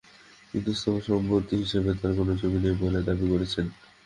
কিন্তু স্থাবর সম্পত্তি হিসেবে তাঁর কোনো জমি নেই বলে দাবি করেছেন।